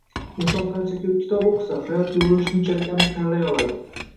Inson qancha ko‘p kitob o‘qisa, hayot yo‘lini shunchalik aniq tanlay oladi.